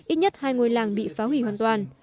ít nhất hai ngôi làng bị phá hủy hoàn toàn